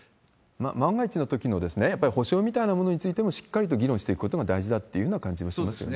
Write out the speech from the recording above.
万が一のときの、やっぱり補償みたいなものについてもしっかりと議論していくことが大事だっていうような感じもしますよね。